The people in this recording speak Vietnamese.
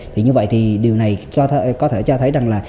thì như vậy thì điều này có thể cho thấy rằng là